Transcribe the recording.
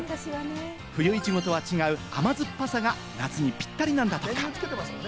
冬イチゴとは違う甘酸っぱさが夏にぴったりなんだとか。